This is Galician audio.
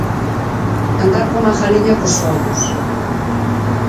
Andar como a galiña cos ovos.